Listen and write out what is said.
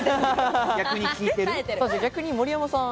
逆に盛山さん。